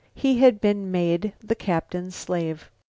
He had been made the captain's slave.